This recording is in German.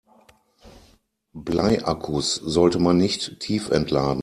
Bleiakkus sollte man nicht tiefentladen.